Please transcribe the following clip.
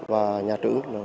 và nhà trưởng